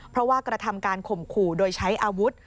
เพราะว่ากระทำการข่มขู่โดยใช้อาวุธ